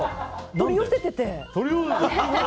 取り寄せてて。